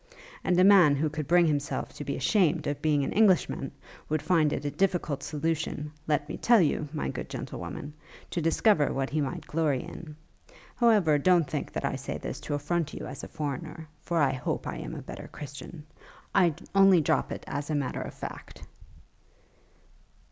And a man who could bring himself to be ashamed of being an Englishman, would find it a difficult solution, let me tell you, my good gentlewoman, to discover what he might glory in. However, don't think that I say this to affront you as a foreigner, for I hope I am a better Christian. I only drop it as a matter of fact.'